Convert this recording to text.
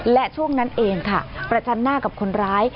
และช่วงนั้นเองค่ะประจันหน้ากับคนร้าย